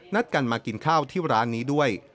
นัดกันมากินข้าวที่ร้านนี้ด้วย